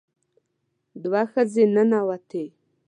دوه ښځې ننوتې.